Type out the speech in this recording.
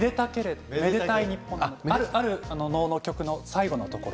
めでたけれある能の曲の最後のところ